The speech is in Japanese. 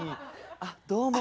あどうも。